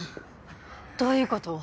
どういうこと？